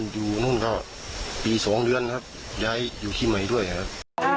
อยู่นู่นก็ปี๒เดือนครับย้ายอยู่ที่ใหม่ด้วยครับ